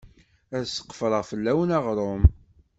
Ad sqefreɣ fell-awen aɣrum.